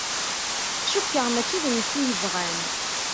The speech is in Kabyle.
Cukkeɣ mačči d netta i yebɣan.